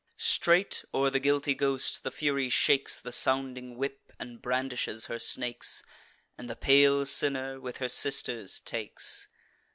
Straight, o'er the guilty ghost, the Fury shakes The sounding whip and brandishes her snakes, And the pale sinner, with her sisters, takes.